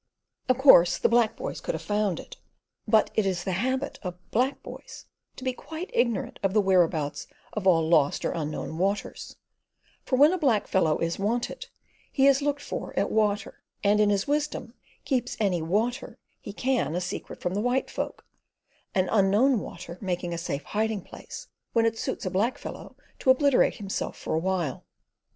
Of course the black boys could have found it; but it is the habit of black boys to be quite ignorant of the whereabouts of all lost or unknown waters, for when a black fellow is "wanted" he is looked for at water, and in his wisdom keeps any "water" he can a secret from the white folk, an unknown "water" making a safe hiding place when it suits a black fellow to obliterate himself for a while.